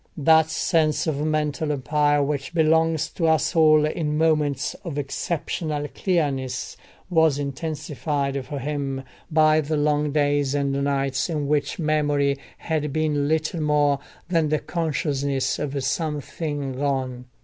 That sense of mental empire which belongs to us all in moments of exceptional clearness was intensified for him by the long days and nights in which memory had been little more than the consciousness of something gone.